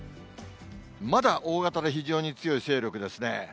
まだ大型で非常に強い勢力ですね。